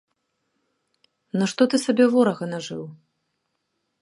Нашто ты сабе ворага нажыў?